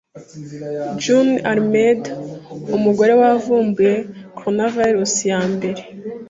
June Almeida, umugore wavumbuye coronavirus ya mbere